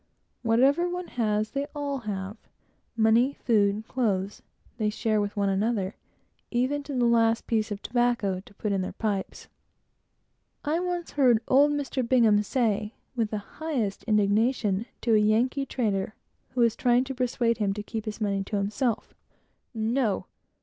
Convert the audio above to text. Whatever one has, they all have. Money, food, clothes, they share with one another; even to the last piece of tobacco to put in their pipes. I once heard old Mr. Bingham say, with the highest indignation, to a Yankee trader who was trying to persuade him to keep his money to himself "No!